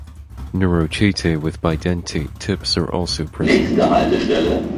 Neurochaetae with bidentate tips are also present.